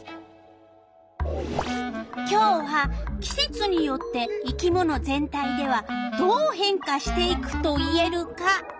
今日は「季節によって生き物全体ではどう変化していくと言えるか」